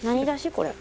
これ。